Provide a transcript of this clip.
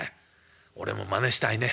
俺もまねしたいね。